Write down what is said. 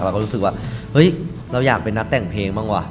เราก็รู้สึกว่าเฮ้ยเราอยากเป็นนักแต่งเพลงบ้างว่ะ